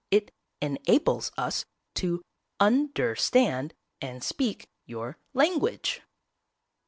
"It en ables us to un der stand and speak your lan guage."